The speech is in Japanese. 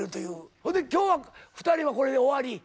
ほんで今日は２人はこれで終わり？